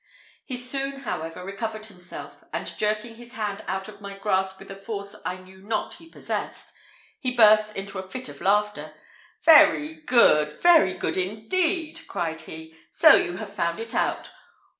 He soon, however, recovered himself, and jerking his hand out of my grasp with a force I knew not he possessed, he burst into a fit of laughter "Very good; very good indeed," cried he: "so you have found it out.